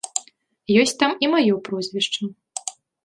Ёсць там і маё прозвішча.